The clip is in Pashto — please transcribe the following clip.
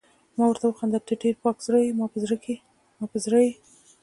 ما ورته وخندل: ته ډېره پاک زړه يې، زما په زړه یې.